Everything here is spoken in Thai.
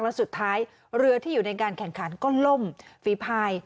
แล้วสุดท้ายเรือที่อยู่ในการแข่งขันก็ล่มฝีพาย